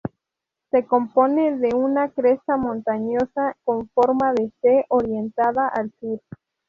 Se compone de una cresta montañosa con forma de "C" orientada al sur.